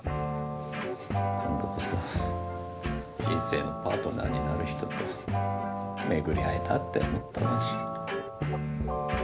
今度こそ人生のパートナーになる人と巡り合えたって思ったのに。